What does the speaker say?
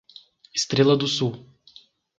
Estrela do Sul